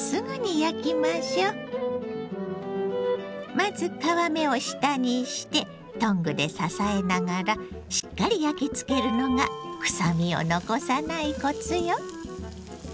まず皮目を下にしてトングで支えながらしっかり焼きつけるのがくさみを残さないコツよ。